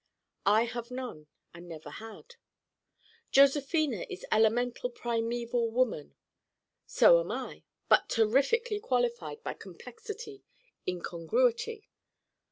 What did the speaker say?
I have none and never had. Josephina is elemental primeval woman. So am I but terrifically qualified by complexity, incongruity.